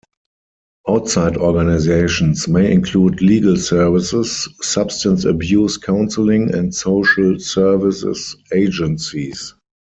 Outside organizations may include legal services, substance abuse counseling and social services agencies.